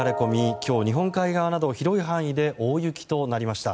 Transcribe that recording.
今日、日本海側など広い範囲で大雪となりました。